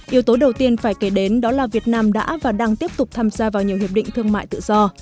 yếu tố đầu tiên phải kể đến đó là việt nam đã và đang tiếp tục tham gia vào nhiều hiệp định thương mại tự do